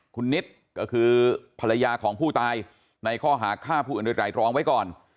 คุณนิดก็คือภรรยาของผู้ตายในข้อหาฆ่าผู้อื่นโดยไตรรองไว้ก่อน